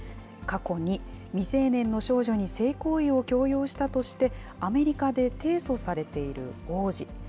過去に未成年の少女に性行為を強要したとして、アメリカで提訴されている王子。